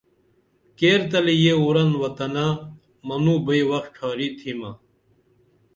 کیرتلی یہ وُرن وطنہ منوں بئی وخ ڇھارِی تِھمہ